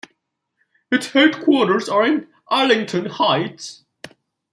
Its headquarters are in Arlington Heights.